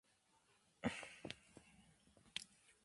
Existe una construcción paralela en lenguas celtas.